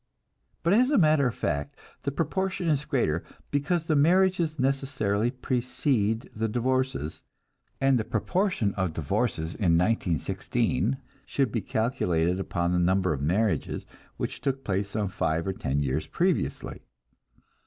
But as a matter of fact the proportion is greater, because the marriages necessarily precede the divorces, and the proportion of divorces in 1916 should be calculated upon the number of marriages which took place some five or ten years previously.